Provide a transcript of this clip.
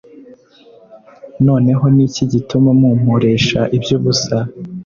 Noneho ni iki gituma mumporesha iby ubusa